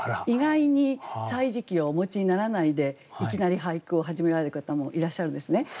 意外に「歳時記」をお持ちにならないでいきなり俳句を始められる方もいらっしゃるんですね。